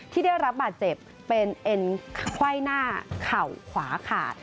ที่ได้รับบาดเจ็บเป็นเอ็นไขว้หน้าเข่าขวาขาด